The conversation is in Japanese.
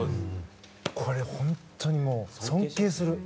これ、本当に尊敬する。